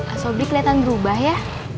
asobi kelihatan berubah ya